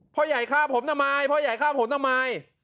พ่อใหญ่ฆ่าผมทำไมพ่อใหญ่ฆ่าผมทำไม